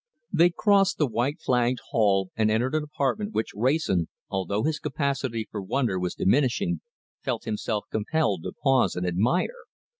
They crossed the white flagged hall and entered an apartment which Wrayson, although his capacity for wonder was diminishing, felt himself compelled to pause and admire.